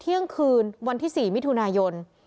เที่ยงคืนวันที่๔มิถุนายน